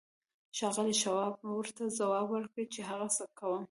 ښاغلي شواب ورته ځواب ورکړ چې هڅه کوم